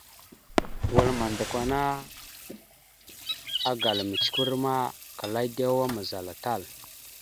Wal mandakw ana agala mʉcəkœr ma klaa edewa amaza tal.